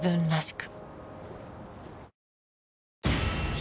く